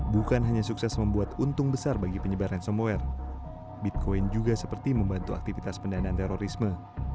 bukan hanya sukses membuat untung besar bagi penyebaran somware bitcoin juga seperti membantu aktivitas pendanaan terorisme